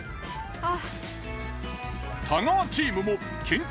あっ！